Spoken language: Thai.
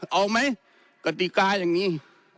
เอาไหมกติกาอย่างนี้